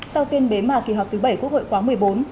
sau phiên bế mà kỳ họp thứ bảy quốc hội quán một mươi bốn